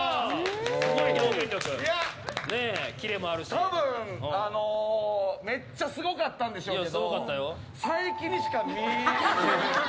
多分、めっちゃすごかったんでしょうけど。